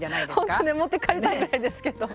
ほんとに持って帰りたいぐらいですけど。